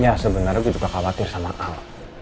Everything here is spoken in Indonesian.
ya sebenarnya gue juga khawatir sama al